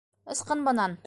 - Ысҡын бынан!